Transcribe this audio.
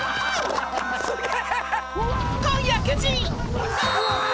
すげえ！